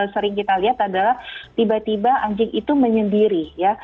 sering kita lihat adalah tiba tiba anjing itu menyendiri ya